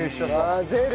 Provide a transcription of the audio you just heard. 混ぜる！